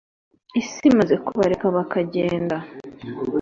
isi imaze kubareka bakagenda.